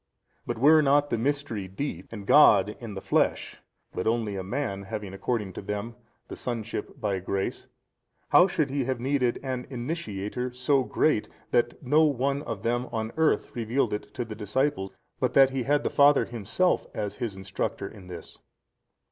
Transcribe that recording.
But were not the Mystery deep, and God in the flesh, but [only] a man having according to them the sonship by grace, how should he have needed an Initiator 35 so great, that no one of them on the earth revealed it to the disciple, but that he had the Father Himself as his Instructor in this?